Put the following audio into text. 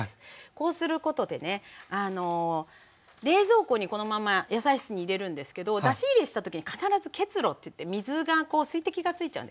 こうすることでねあの冷蔵庫にこのまま野菜室に入れるんですけど出し入れした時に必ず結露っていって水が水滴がついちゃうんですね。